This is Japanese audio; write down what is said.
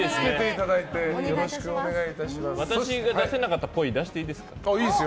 私が出せなかった、っぽい出していいですか。